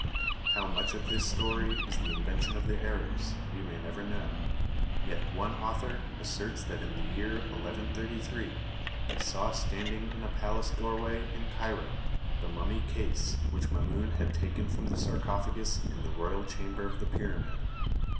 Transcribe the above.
How much of this story is the invention of the Arabs, we may never know, yet one author asserts that in the year 1133 he saw standing in a palace doorway in Cairo the mummy case which Mamun had taken from the sarcophagus in the royal chamber of the pyramid.